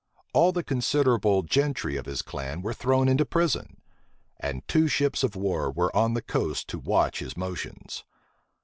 All the considerable gentry of his clan were thrown into prison. And two ships of war were on the coast to watch his motions.